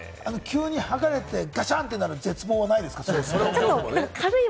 急に剥がれて、ガシャンとなる絶望はないですか？